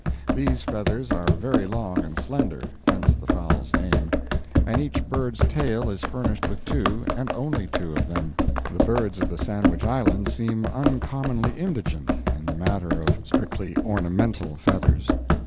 These feathers are very long and slender (hence the fowl's name), and each bird's tail is furnished with two, and only two, of them. The birds of the Sandwich Islands seem uncommonly indigent in the matter of strictly ornamental feathers.